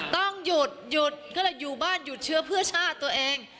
ต้องหยุดหยุดก็เลยอยู่บ้านหยุดเชื้อเพื่อชาติตัวเอง